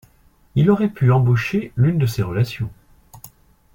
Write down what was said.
Il aurait pu embaucher l’une de ses relations.